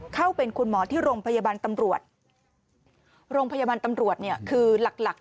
เข้าเป็นคุณหมอที่โรงพยาบาลตำรวจโรงพยาบาลตำรวจเนี่ยคือหลักหลัก